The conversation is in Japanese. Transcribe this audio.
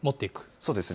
そうですね。